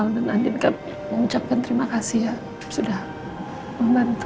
andika mengucapkan terima kasih ya sudah membantu